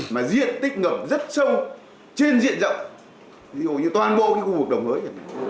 mà diện tích ngập rất sâu trên diện rộng ví dụ như toàn bộ khu vực đồng hới